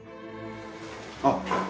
あっ。